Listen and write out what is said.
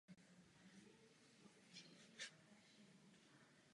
Zakladateli vesnice byla skupina židovských přistěhovalců z Balkánu.